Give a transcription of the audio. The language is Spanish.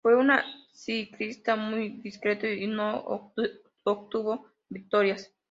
Fue un ciclista muy discreto y no obtuvo victorias.